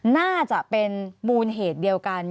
น่าจะเป็นมูลเหตุเดียวกัน